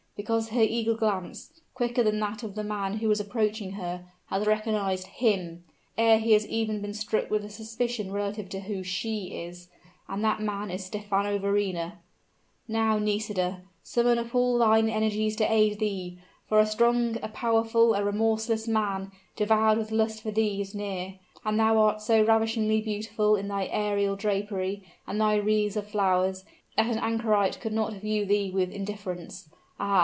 Because her eagle glance, quicker than that of the man who is approaching her, has recognized him, ere he has even been struck with a suspicion relative to who she is and that man is Stephano Verrina! Now, Nisida! summon all thine energies to aid thee; for a strong, a powerful, a remorseless man, devoured with lust for thee, is near. And thou art so ravishingly beautiful in thy aerial drapery, and thy wreaths of flowers, that an anchorite could not view thee with indifference! Ah!